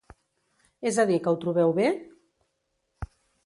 -Es a dir que ho trobeu bé?